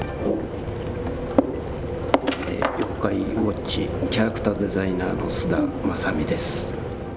妖怪ウォッチキャラクターデザイナーの須田正己です。